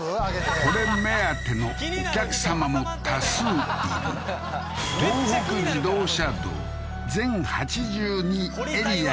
これ目当てのお客さまも多数いる東北自動車道全８２エリア